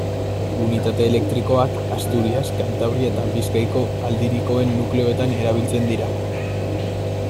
Unitate elektrikoak Asturias, Kantabria eta Bizkaiko aldirikoen nukleoetan erabiltzen dira.